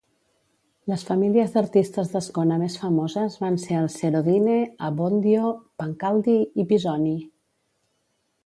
Les famílies d'artistes d'Ascona més famoses van ser els Serodine, Abbondio, Pancaldi i Pisoni.